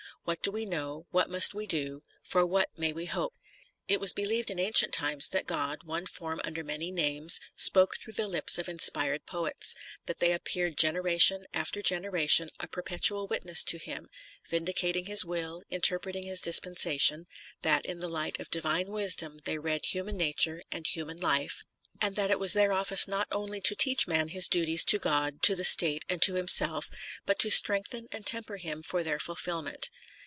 What do we know — what must we do — ^for what may we hope ? It was believed in ancient times that God, one form under many names, spoke through the lips of inspired poets, that they appeared generation after generation a perpetual witness to Him, vindicating His will, interpreting His dispensa tion, that in the light of divine wisdom they read human nature and human life, and that it was •" Advancement of Learning," Bk. II. 244 TENNYSON their office not only to teach man his duties to God, to the State and to himself, but to strengthen and temper him for their fulfilment.